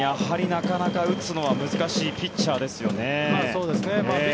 なかなか打つのは難しいピッチャーですよね。